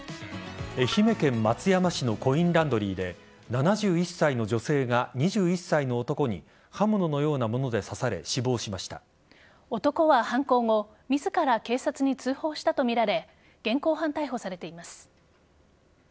愛媛県松山市のコインランドリーで７１歳の女性が２１歳の男に刃物のようなもので刺され男は犯行後自ら警察に通報したとみられ現行犯逮捕されています。